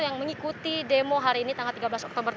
yang mengikuti demo hari ini tanggal tiga belas oktober dua ribu